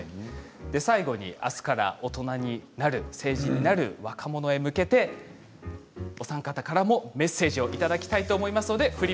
最後に、あすから成人になる若者に向けてお三方からもメッセージをいただきたいと思います。